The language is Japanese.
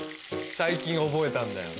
最近覚えたんだよ